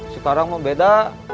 sekarang mau beda